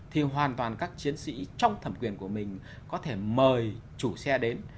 thì hoàn toàn các chiến sĩ trong thẩm quyền của mình có thể mời chủ xe đến